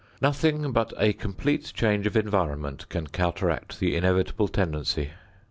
Nothing but a complete change of environment can counteract the inevitable tendency.